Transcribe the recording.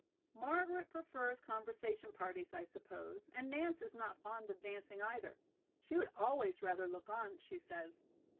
"Margaret prefers conversation parties, I suppose, and Nance is not fond of dancing, either. She would always rather look on, she says."